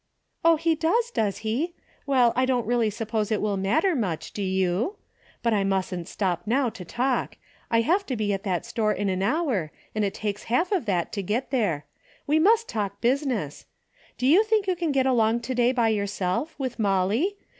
" Oh, he does, does he ? Well, I don't really suppose it will matter much, do you ? But I mustn't stop now to talk. I have to be at that store in an hour, and it takes half of that to DAILY RATEA' 129 get there. We must talk business. Do you think you can get along to day by yourself, with Molly?